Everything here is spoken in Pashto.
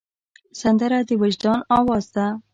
سندره د وجدان آواز ده